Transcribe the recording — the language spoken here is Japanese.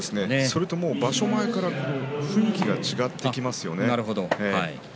それに場所前の雰囲気が変わっていきますよね。